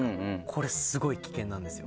これスゴい危険なんですよ。